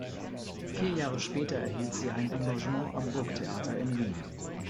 Vier Jahre später erhielt sie ein Engagement am Burgtheater in Wien.